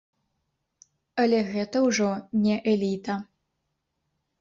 Але гэта ўжо не эліта.